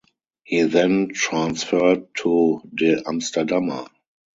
He then transferred to De Amsterdammer.